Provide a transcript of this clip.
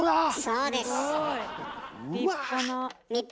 そうです。